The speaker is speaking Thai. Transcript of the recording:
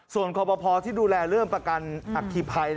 ส่วนคอปภที่ดูแลเรื่องประกันอัคคีภัย